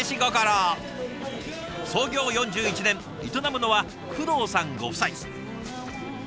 創業４１年営むのは工藤さんご夫妻。